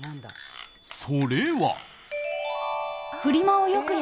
それは。